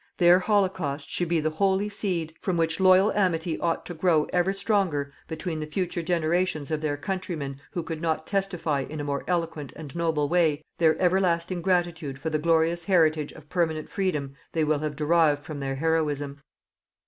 Their holocaust should be the holy seed from which loyal amity ought to grow ever stronger between the future generations of their countrymen who could not testify in a more eloquent and noble way their everlasting gratitude for the glorious heritage of permanent freedom they will have derived from their heroism.